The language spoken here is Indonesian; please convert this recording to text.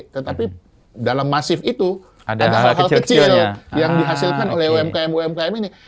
tetapi dalam masif itu ada hal hal kecil yang dihasilkan oleh umkm umkm ini